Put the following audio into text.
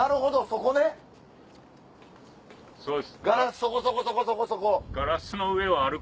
そこそこそこそこそこ。